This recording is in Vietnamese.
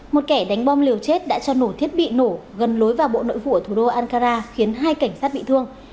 một kẻ đánh bom liều chết đã cho nổ thiết bị nổ gần lối vào bộ nội vụ ở thủ đô ankara khiến hai cảnh sát bị thương